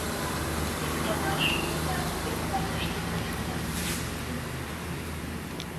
Иктаҥаш улыда, ик классыште тунемыда.